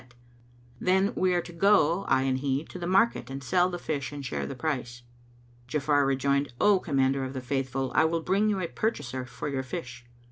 [FN#224] Then we are to go, I and he, to the market and sell the fish and share the price." Ja'afar rejoined, "O Commander of the Faithful, I will bring you a purchaser for your fish."